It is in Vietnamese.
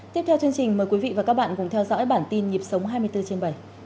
tiếp theo chương trình mời quý vị và các bạn cùng theo dõi bản tin nhịp sống hai mươi bốn trên bảy